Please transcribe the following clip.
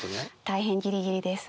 大変ギリギリです。